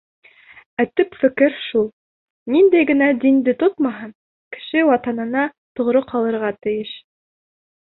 Ә төп фекер шул: ниндәй генә динде тотмаһын, кеше Ватанына тоғро ҡалырға тейеш.